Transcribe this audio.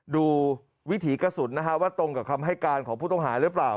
วิถีกระสุนนะฮะว่าตรงกับคำให้การของผู้ต้องหาหรือเปล่า